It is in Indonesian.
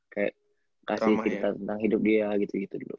kayak kasih cerita tentang hidup dia gitu gitu dulu